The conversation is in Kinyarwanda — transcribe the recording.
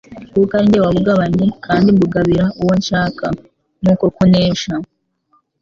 kuko ari jye wabugabanye, kandi mbugabira uwo nshaka, nuko Kunesha